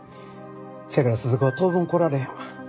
せやから鈴子は当分来られへんわ。